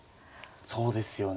そうですよね。